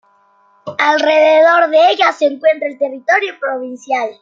Alrededor de ella se encuentra el territorio provincial.